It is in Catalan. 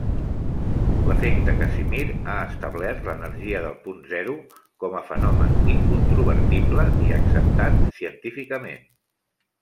L'efecte Casimir ha establert l'energia del punt zero com a fenomen incontrovertible i acceptat científicament.